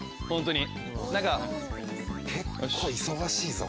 結構忙しいぞこれ。